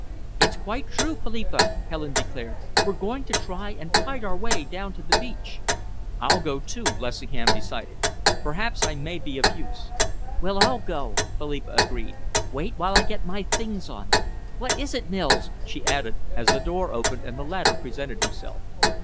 "It's quite true, Philippa," Helen declared. "We're going to try and fight our way down to the beach." "I'll go, too," Lessingham decided. "Perhaps I may be of use." "We'll all go," Philippa agreed. "Wait while I get my things on. What is it, Mills?" she added, as the door opened and the latter presented himself.